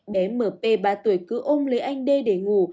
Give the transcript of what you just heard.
bé mở pê ba tuổi cứ ôm lấy anh đê để ngủ